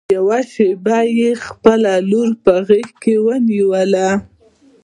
يوه شېبه يې خپله لور په غېږ کې ونيوله.